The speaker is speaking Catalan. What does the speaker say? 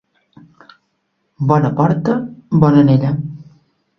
Bona porta, bona anella.